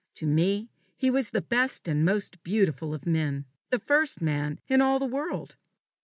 To me he was the best and most beautiful of men the first man in all the world.